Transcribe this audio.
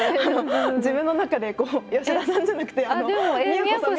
自分の中で「吉田さん」じゃなくて「都さん都さん」って。